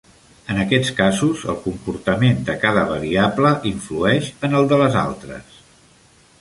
En aquests casos, el comportament de cada variable influeix en el de les altres.